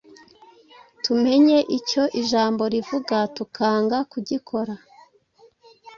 tumenye icyo Ijambo rivuga tukanga kugikora,